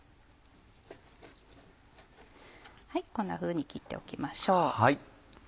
こんなふうに切っておきましょう。